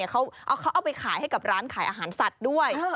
เขาเอาไปขายให้กับร้านขายอาหารสัตว์ด้วย